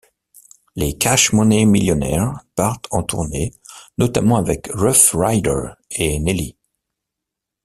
Les Cash Money Millionaires partent en tournée notamment avec Ruff Ryders et Nelly.